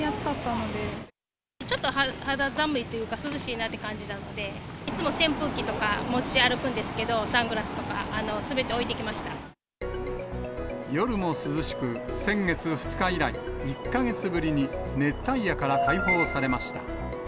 ちょっと肌寒いというか、涼しいなって感じなんで、いつも扇風機とか持ち歩くんですけれども、サングラスとか、夜も涼しく、先月２日以来、１か月ぶりに熱帯夜から解放されました。